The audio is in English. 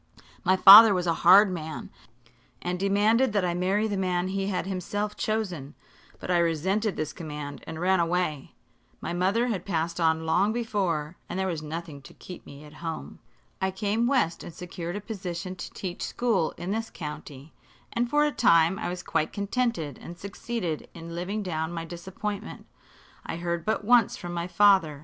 My father was a hard man, and demanded that I marry the man he had himself chosen; but I resented this command and ran away. My mother had passed on long before, and there was nothing to keep me at home. I came west and secured a position to teach school in this county, and for a time I was quite contented and succeeded in living down my disappointment. I heard but once from my father.